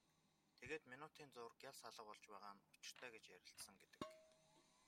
Тэгээд минутын зуур гялс алга болж байгаа нь учиртай гэж ярилцсан гэдэг.